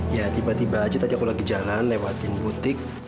ya tiba tiba aja tadi aku lagi jalan lewatin butik